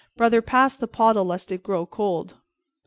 Brother, pass the pottle lest it grow cold."